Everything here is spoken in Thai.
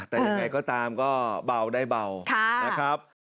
แต่ยังไงก็ตามก็เบาได้เบานะครับ